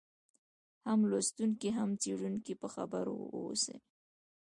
هم لوستونکی هم څېړونکی په خبر واوسي.